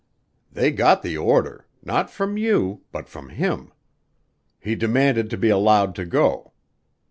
"They got the order; not from you, but from him. He demanded to be allowed to go.